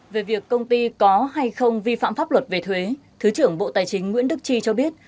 về việc công ty có hay không vi phạm pháp luật về thuế thứ trưởng bộ tài chính nguyễn đức chi cho biết